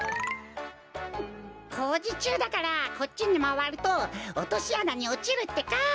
こうじちゅうだからこっちにまわるとおとしあなにおちるってか。